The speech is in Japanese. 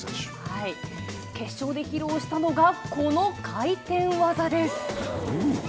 決勝で披露したのがこの回転技です。